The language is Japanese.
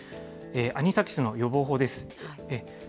アニサキスの予防法です。